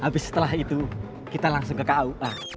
habis setelah itu kita langsung ke kua